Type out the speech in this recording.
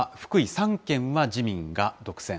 ３県は自民が独占。